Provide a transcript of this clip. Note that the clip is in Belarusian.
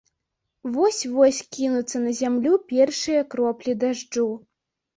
Вось-вось кінуцца на зямлю першыя кроплі дажджу.